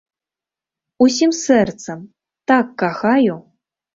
Усім сэрцам, так кахаю!